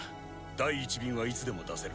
第１便はいつでも出せる。